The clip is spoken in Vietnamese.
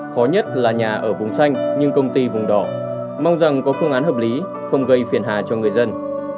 khó nhất là nhà ở vùng xanh nhưng công ty vùng đỏ mong rằng có phương án hợp lý không gây phiền hà cho người dân